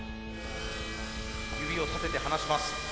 指を立てて離します。